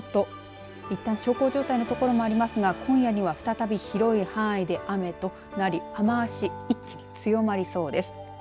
このあと、いったん小康状態の所もありますが今夜には再び広い範囲で雨となり雨足一気に強まりそうです。